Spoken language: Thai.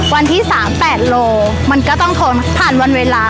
วันที่๓๘โลมันก็ต้องทนผ่านวันเวลา